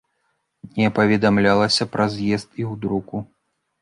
Не паведамлялася пра з'езд і ў друку.